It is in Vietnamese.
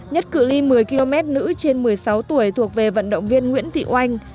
nhất cự li một mươi km nữ trên một mươi sáu tuổi thuộc về vận động viên nguyễn thị oanh